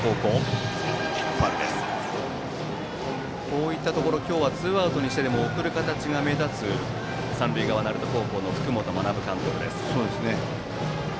こういったところ今日はツーアウトにしてでも送る形が目立つ、三塁側鳴門高校の福本学監督です。